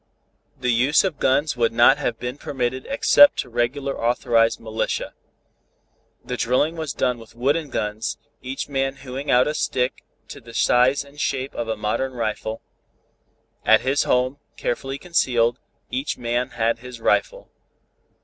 The use of guns would not have been permitted except to regular authorized militia. The drilling was done with wooden guns, each man hewing out a stick to the size and shape of a modern rifle. At his home, carefully concealed, each man had his rifle.